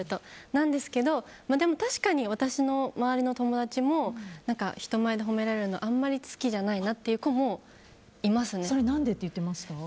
なんですけど確かに私の周りの友達も人前で褒められるのあんまり好きじゃないなって子も何でって言ってました？